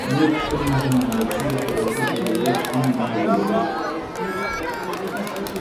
لومړۍ پوښتنه: محمد نادر خان د خپلواکۍ په جګړه کې کومه دنده درلوده؟